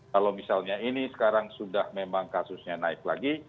kalau misalnya ini sekarang sudah memang kasusnya naik lagi